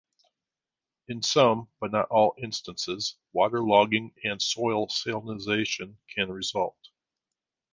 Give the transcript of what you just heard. In some, but not all instances, water logging and soil salinization can result.